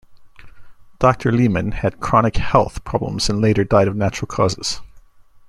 Doctor Limann had chronic health problems and later died of natural causes.